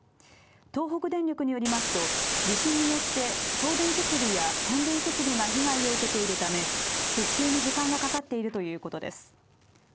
東北電力によりますと、地震によって送電設備や変電設備が被害を受けているため復旧に時間がかかっているということです。